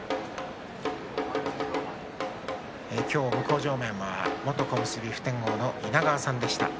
向正面元小結普天王の稲川さんでした。